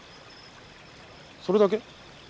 それだけ？